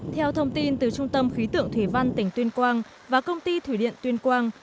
theo thông tin từ trung tâm khí tượng thủy văn tỉnh tuyên quang và công ty thủy điện tuyên quang